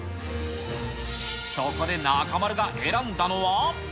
そこで中丸が選んだのは。